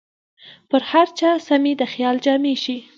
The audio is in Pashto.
پر هر چا سمې د خیال جامې شي